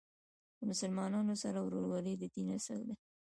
د مسلمانانو سره ورورولۍ د دین اصل دی.